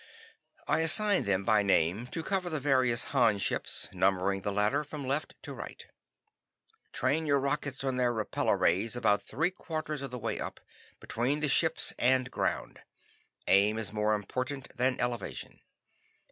I assigned them by name to cover the various Han ships, numbering the latter from left to right. "Train your rockets on their repellor rays about three quarters of the way up, between ships and ground. Aim is more important than elevation.